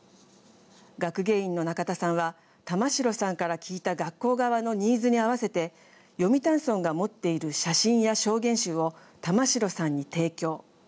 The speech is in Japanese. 学芸員の中田さんは玉城さんから聞いた学校側のニーズに合わせて読谷村が持っている写真や証言集を玉城さんに提供。